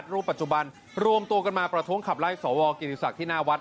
รูปปัจจุบันรวมตัวกันมาประท้วงขับไล่สวกิติศักดิ์ที่หน้าวัด